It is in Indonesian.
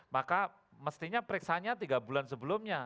maka mestinya periksanya tiga bulan sebelumnya